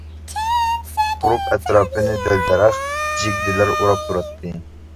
قورۇق ئەتراپىنى دەل-دەرەخ، جىگدىلەر ئوراپ تۇراتتى.